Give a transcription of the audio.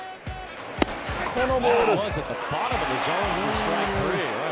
このボール。